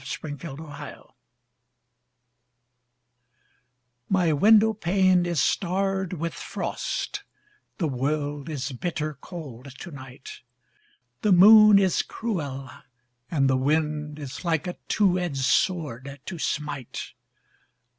A Winter Night My window pane is starred with frost, The world is bitter cold to night, The moon is cruel and the wind Is like a two edged sword to smite.